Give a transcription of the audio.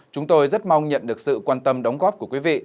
chúng tôi rất mong nhận được sự quan tâm đóng góp của quý vị